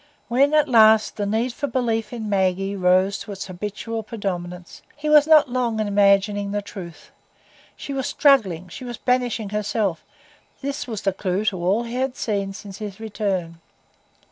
When, at last, the need for belief in Maggie rose to its habitual predominance, he was not long in imagining the truth,—she was struggling, she was banishing herself; this was the clue to all he had seen since his return.